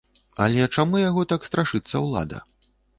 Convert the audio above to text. Але чаму яго так страшыцца ўлада?